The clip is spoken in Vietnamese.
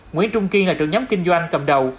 nguyễn trung kiên là trưởng nhóm kinh doanh cầm đầu